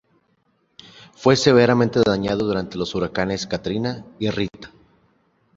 Fue severamente dañado durante los huracanes Katrina y Rita.